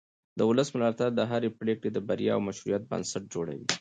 د ولس ملاتړ د هرې پرېکړې د بریا او مشروعیت بنسټ جوړوي